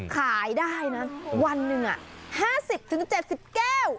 ขายได้นะวันหนึ่ง๕๐๗๐แก้ว